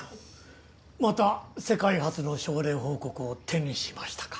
また世界初の症例報告を手にしましたか？